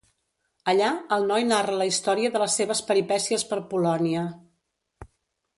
Allà, el noi narra la història de les seves peripècies per Polònia.